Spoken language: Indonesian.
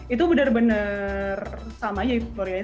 itu bener bener sama aja di korea